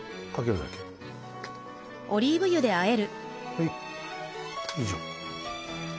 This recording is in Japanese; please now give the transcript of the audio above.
はい以上。